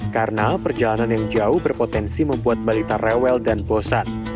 karena perjalanan yang jauh berpotensi membuat balita rewel dan bosan